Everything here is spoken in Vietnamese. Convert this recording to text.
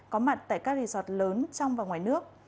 có mặt tại các resort lớn trong và ngoài nước